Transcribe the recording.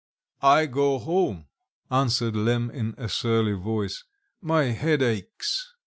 "I go home," answered Lemm in a surly voice; "my head aches."